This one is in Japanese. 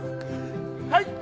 はい！